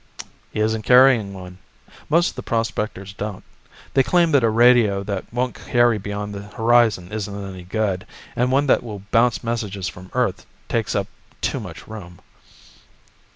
"He isn't carrying one. Most of the prospectors don't. They claim that a radio that won't carry beyond the horizon isn't any good, and one that will bounce messages from Earth takes up too much room."